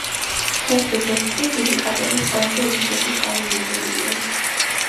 თეთრი ვეფხვი დიდი კატების ყველაზე იშვიათი წარმომადგენელია.